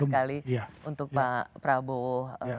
sekali untuk pak prabowo